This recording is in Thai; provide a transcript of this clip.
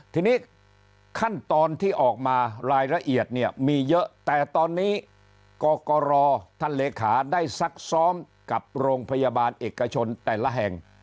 ทีนี้ขั้นตอนที่ออกมารายละเอียดเนี่ยมีเยอะแต่ตอนนี้กรกรท่านเลขาได้ซักซ้อมกับโรงพยาบาลเอกชนแต่ละแห่ง